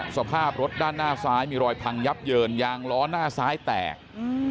สภาพรถด้านหน้าซ้ายมีรอยพังยับเยินยางล้อหน้าซ้ายแตก